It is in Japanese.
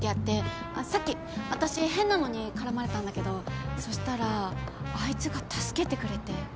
さっきあたし変なのに絡まれたんだけどそしたらあいつが助けてくれて。